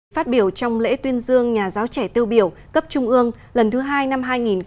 phát biểu trong lễ tuyên dương nhà giáo trẻ tiêu biểu cấp trung ương lần thứ hai năm hai nghìn hai mươi